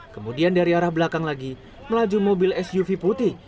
kemudian dari arah belakang lagi melaju mobil suv putih